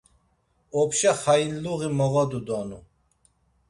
Opşa xainluği moğodu donu.